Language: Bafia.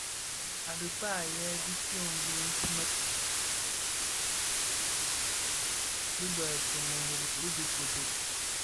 A dhikpää, yè tishyō ti mekankan ti bë lè Ntsomorogo dhi bë ködő.